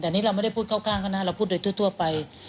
แต่นี่เราไม่ได้พูดข้างกรณะเราพูดโดยทั่วไป